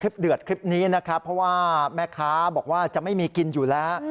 มีคลิปเดือดคลิปนี้นะพาว่าแม่ค้าบอกว่าจะไม่มีกินอยู่แล้ว